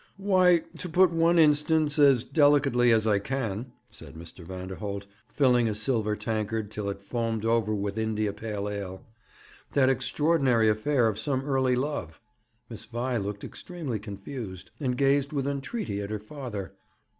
'Why, to put one instance as delicately as I can,' said Mr. Vanderholt, filling a silver tankard till it foamed over with India pale ale; 'that extraordinary affair of some early love.' Miss Vi looked extremely confused, and gazed with entreaty at her father.